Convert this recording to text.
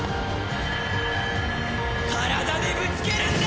体でぶつけるんだ！